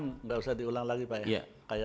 tidak usah diulang lagi pak ya